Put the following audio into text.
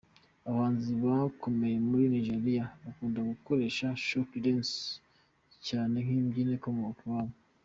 Abahanzi bakomeye muri Nigeriya bakunda gukoresha Shoki Dance cyane nkimbyino ikomoka iwabo.